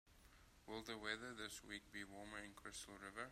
Will the weather this week be warmer in Crystal River?